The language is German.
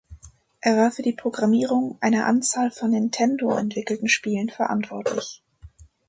Er war für die Programmierung einer Anzahl von Nintendo entwickelten Spielen verantwortlich.